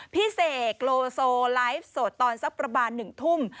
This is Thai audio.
พี่เสกโลโซไลฟ์สดตอนสักประบาทหนึ่งทุ่ม